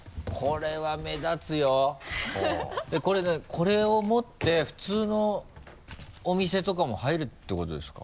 これを持って普通のお店とかも入るってことですか？